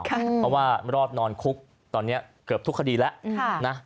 เพราะว่ารอดนอนคุกตอนนี้เกือบทุกคดีแล้วนะ